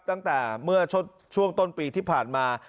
ตั้งแต่เมื่อช่วงต้นปีที่ผ่านมา